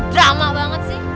drama banget sih